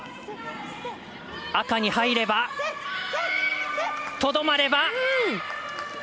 赤に入れば、とどまれば。